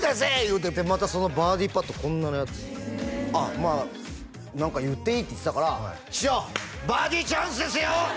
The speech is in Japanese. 言うてまたそのバーディーパットこんなやつああまあ何か言っていいって言ってたから「師匠バーディーチャンスですよ」